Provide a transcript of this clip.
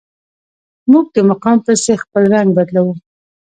موږ د مقام پسې خپل رنګ بدلوو.